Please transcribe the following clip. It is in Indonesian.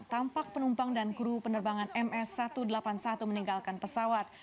tampak penumpang dan kru penerbangan ms satu ratus delapan puluh satu meninggalkan pesawat